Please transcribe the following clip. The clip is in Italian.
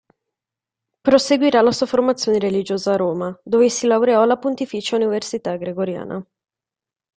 Proseguirà la sua formazione religiosa a Roma, dove si laureò alla Pontificia Università Gregoriana.